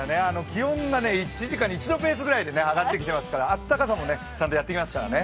気温が１時間に１度ペースぐらいで上がってきますからあったかさもちゃんとやってきますからね。